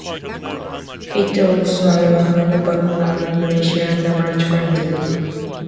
It also allowed background operation under MultiFinder.